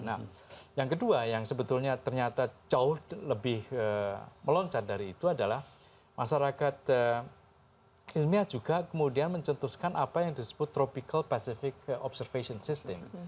nah yang kedua yang sebetulnya ternyata jauh lebih meloncat dari itu adalah masyarakat ilmiah juga kemudian mencetuskan apa yang disebut tropical pacific observation system